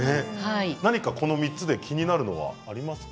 何かこの３つで気になるものはありますか？